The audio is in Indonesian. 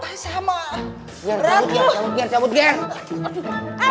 biar cabut biar cabut biar cabut biar cabut biar cabut